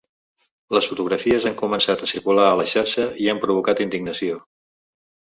Les fotografies han començat a circular a la xarxa i han provocat indignació.